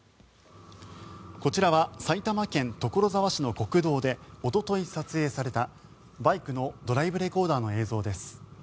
こちらは埼玉県所沢市の国道でおととい撮影されたバイクのドライブレコーダーの映像です。